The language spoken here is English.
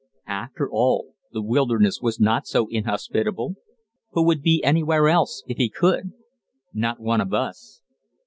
After all, the wilderness was not so inhospitable. Who would be anywhere else, if he could? Not one of us.